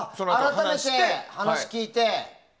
改めて、話を聞いて？